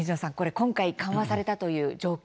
今回緩和されたという条件